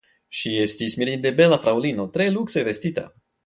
Ŝi estis mirinde bela fraŭlino, tre lukse vestita.